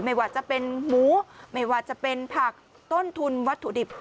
ไม่ว่าจะเป็นหมูไม่ว่าจะเป็นผักต้นทุนวัตถุดิบ